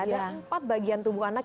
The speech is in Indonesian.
ada empat bagian tubuh anak